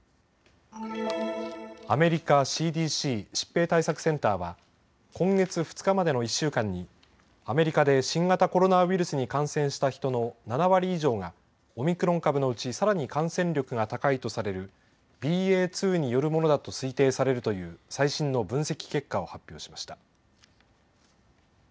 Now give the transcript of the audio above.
アメリカＣＤＣ・疾病対策センターは今月２日までの１週間にアメリカで新型コロナウイルスに感染した人の７割以上がオミクロン株のうちさらに感染力が高いとされるＢＡ．２によるものだと推定されるという最新の分析結果を発表しました。